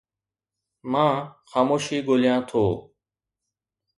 مان خاموشي ڳوليان ٿو